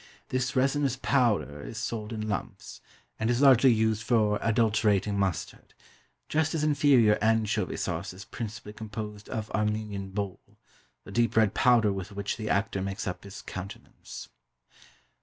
This resinous powder is sold in lumps, and is largely used for adulterating mustard; just as inferior anchovy sauce is principally composed of Armenian Bole, the deep red powder with which the actor makes up his countenance.